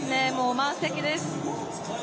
満席です。